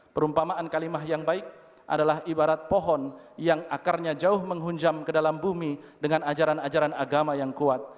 perumpamaan kalimah yang baik adalah ibarat pohon yang akarnya jauh menghunjam ke dalam bumi dengan ajaran ajaran agama yang kuat